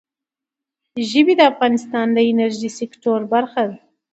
ژبې د افغانستان د انرژۍ سکتور برخه ده.